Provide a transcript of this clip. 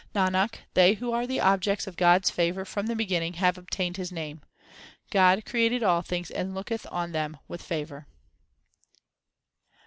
Nanak, they who are the objects of God s favour from the beginning, have obtained His name. God created all things and looketh on them with favour.